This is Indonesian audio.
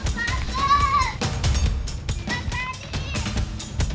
bapak tuh harusnya bantuin perempuan ini pak